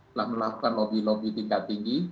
telah melakukan lobby lobby tingkat tinggi